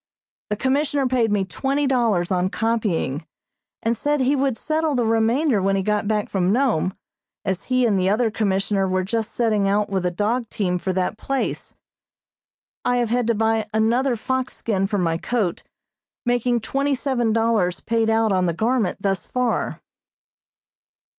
The Commissioner paid me twenty dollars on copying, and said he would settle the remainder when he got back from Nome, as he and the other Commissioner were just setting out with a dog team for that place. I have had to buy another fox skin for my coat, making twenty seven dollars paid out on the garment thus far.